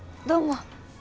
どどうも。